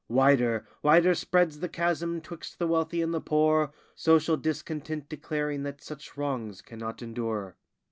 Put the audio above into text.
Wider, wider spreads the chasm 'twixt the wealthy and the poor, Social discontent declaring that such wrongs cannot endure.